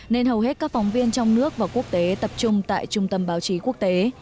nên hầu hết các phóng viên trong nước và quốc tế tập trung tại trung tâm báo chí quốc tế